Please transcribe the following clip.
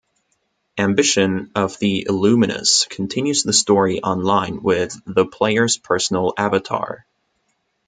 "Ambition of the Illuminus" continues the story online with the player's personal avatar.